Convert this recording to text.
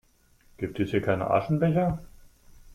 Gibt es hier keinen Aschenbecher?